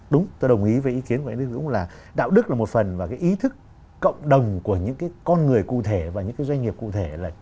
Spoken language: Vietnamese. đúng tôi đồng ý với ý kiến của anh đức dũng là đạo đức là một phần và cái ý thức cộng đồng của những cái con người cụ thể và những cái doanh nghiệp cụ thể là